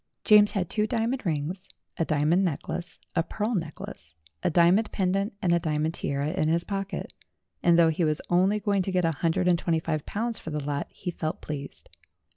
James had two dia mond rings, a diamond necklace, a pearl necklace, a diamond pendant, and a diamond tiara in his pocket, and though he was only going to get a hundred and twenty five pounds for the lot he felt pleased.